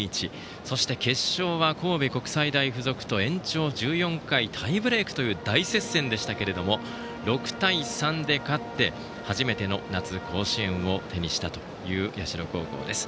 そして決勝は神戸国際大付属と延長１４回タイブレークという大接戦でしたけれども６対３で勝って初めての夏の甲子園を手にしたという社高校です。